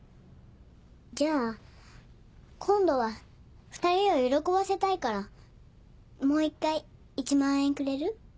じゃあ今度は２人を喜ばせたいからもう一回１万円くれる？